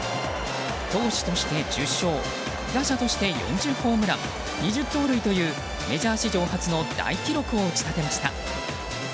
投手として１０勝打者として４０ホームラン２０盗塁というメジャー史上初の大記録を打ち立てました。